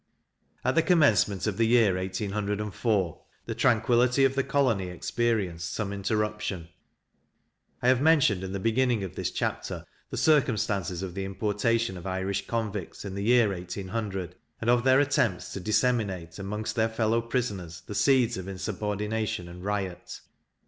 At the commencement of the year 1804, the tranquillity of the colony experienced some interruption. I have mentioned in the beginning of this chapter the circumstances of the importation of Irish convicts in the year 1800, and of their attempts to disseminate amongst their fellow prisoners the seeds of insubordination and riot.